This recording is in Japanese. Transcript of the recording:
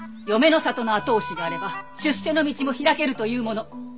嫁の実家の後押しがあれば出世の道もひらけるというもの。